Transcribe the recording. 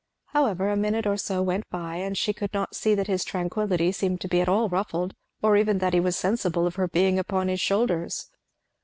However a minute or so went by and she could not see that his tranquillity seemed to be at all ruffled, or even that he was sensible of her being upon his shoulders.